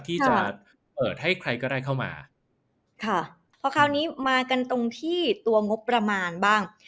ที่จะเปิดให้ใครก็ได้เข้ามาค่ะเพราะคราวนี้มากันตรงที่ตัวงบประมาณบ้าง